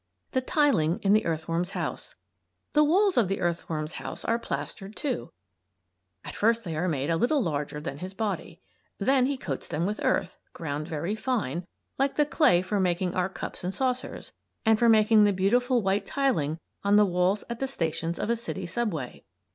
THE TILING IN THE EARTHWORM'S HOUSE The walls of the earthworm's house are plastered, too. At first they are made a little larger than his body. Then he coats them with earth, ground very fine, like the clay for making our cups and saucers, and for making the beautiful white tiling on the walls at the stations of a city subway.